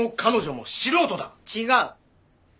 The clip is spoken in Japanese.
違う！